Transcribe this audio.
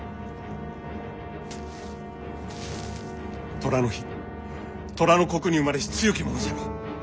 寅の日寅の刻に生まれし強き者じゃろ。